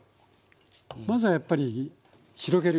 まずはやっぱり広げる。